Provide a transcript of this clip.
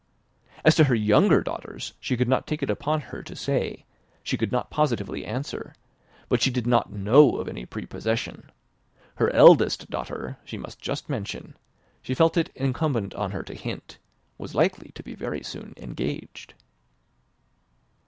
"As to her younger daughters, she could not take upon her to say she could not positively answer but she did not know of any prepossession; her eldest daughter she must just mention she felt it incumbent on her to hint, was likely to be very soon engaged."